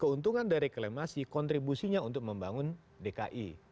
keuntungan dari reklamasi kontribusinya untuk membangun dki